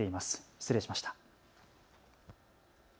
失礼しました。